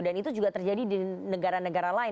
dan itu juga terjadi di negara negara lain